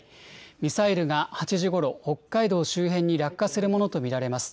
ミサイルが８時ごろ、北海道周辺に落下するものと見られます。